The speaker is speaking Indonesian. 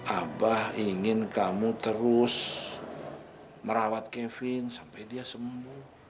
abah ingin kamu terus merawat kevin sampai dia sembuh